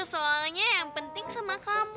soalnya yang penting sama kamu